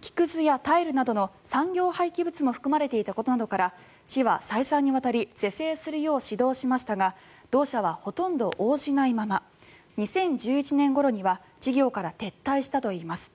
木くずやタイルなどの産業廃棄物も含まれていたことなどから市は、再三にわたり是正するよう指導しましたが同社はほとんど応じないまま２０１１年ごろには事業から撤退したといいます。